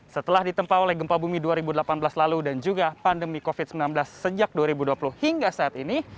setelah ditempa oleh gempa bumi dua ribu delapan belas lalu dan juga pandemi covid sembilan belas sejak dua ribu dua puluh hingga saat ini